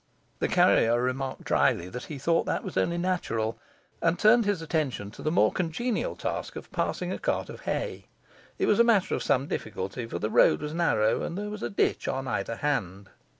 The carrier remarked drily that he thought that was only natural, and turned his attention to the more congenial task of passing a cart of hay; it was a matter of some difficulty, for the road was narrow, and there was a ditch on either hand.